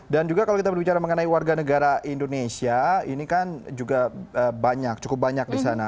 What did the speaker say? dan juga kalau kita berbicara mengenai warga negara indonesia ini kan juga banyak cukup banyak di sana